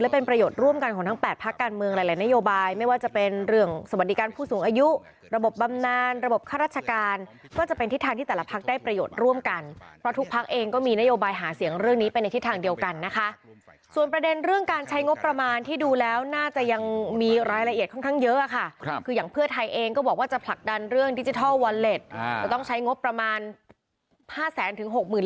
เพราะว่า๕แสนถึง๖หมื่นล้านบาท